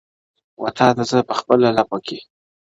وتاته زه په خپله لپه كي.